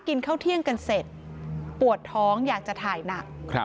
กินข้าวเที่ยงกันเสร็จปวดท้องอยากจะถ่ายหนัก